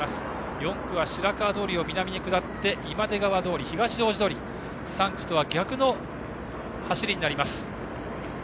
４区は白川通を南に下って今出川通、東大路通と３区とは逆の走りになります。